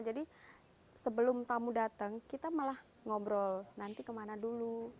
jadi sebelum tamu datang kita malah ngobrol nanti kemana dulu